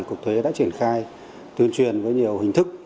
cục thuế đã triển khai tuyên truyền với nhiều hình thức